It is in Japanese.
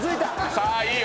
さあいいよ！」